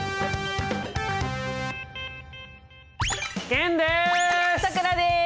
玄です！